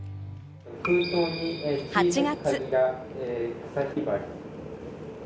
８月。